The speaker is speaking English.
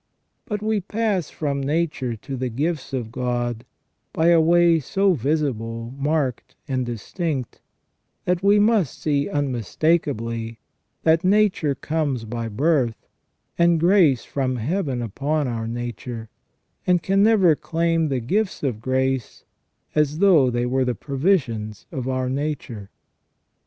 But we pass from nature to the gifts of God by a way so visible, marked, and distinct, that we must see unmistakably that nature comes by birth, and grace from Heaven upon our nature, and can never claim the gifts of grace as though they were the provisions of our nature.